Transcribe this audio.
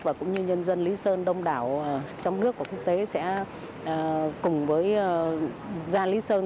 và cũng như nhân dân lý sơn đông đảo trong nước và quốc tế sẽ cùng với gia lý sơn